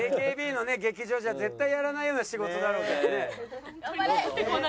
ＡＫＢのね劇場じゃ絶対やらないような仕事だろうけどね。